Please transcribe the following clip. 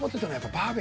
バーベ。